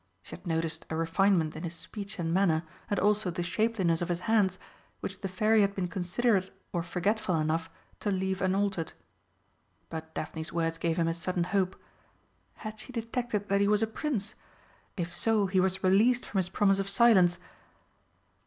She had noticed a refinement in his speech and manner, and also the shapeliness of his hands, which the Fairy had been considerate or forgetful enough to leave unaltered. But Daphne's words gave him a sudden hope. Had she detected that he was a Prince? If so, he was released from his promise of silence!